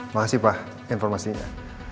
makasih pak informasinya